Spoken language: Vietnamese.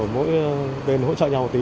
mỗi bên hỗ trợ nhau một tí